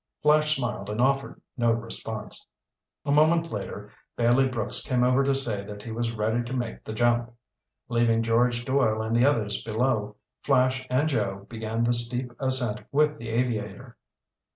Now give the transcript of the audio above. Flash smiled and offered no response. A moment later Bailey Brooks came over to say that he was ready to make the jump. Leaving George Doyle and the others below, Flash and Joe began the steep ascent with the aviator.